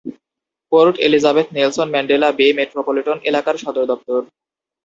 Port Elizabeth Nelson Mandela Bay Metropolitan এলাকার সদর দপ্তর।